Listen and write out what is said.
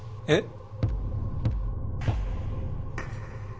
えっ？